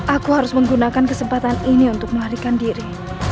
aku harus menggunakan kesempatan ini untuk melarikan diri